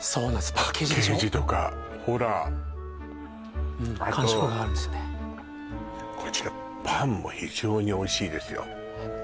パッケージとかほらあとこちらパンも非常においしいですよ